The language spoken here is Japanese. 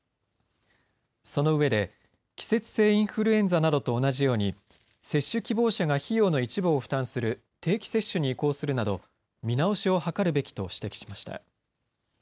そのうえで季節性インフルエンザなどと同じように接種希望者が費用の一部を負担する定期接種に移行するなど見直しを図るべきと指摘しました。